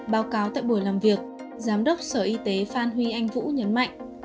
báo cáo tại buổi làm việc giám đốc sở y tế phan huy anh vũ nhấn mạnh